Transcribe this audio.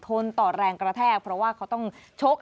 ต่อแรงกระแทกเพราะว่าเขาต้องชก